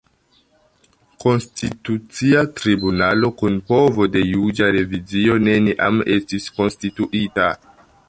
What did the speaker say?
Konstitucia Tribunalo kun povo de juĝa revizio neniam estis konstituita.